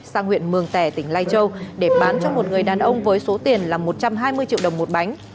sang huyện mường tẻ tỉnh lai châu để bán cho một người đàn ông với số tiền là một trăm hai mươi triệu đồng một bánh